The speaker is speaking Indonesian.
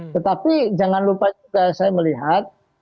tetapi jangan lupa juga saya melihat